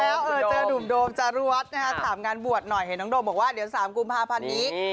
แล้วเจอนุ่มโดมจารวดนะคะถามงานบวชหน่อยเห็นน้องโดมบอกว่าเดี๋ยว๓กุมภาพันธ์นี้